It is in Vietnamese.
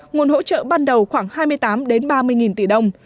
nguồn hỗ trợ ban đầu khoảng hai mươi tám ba mươi tỷ đồng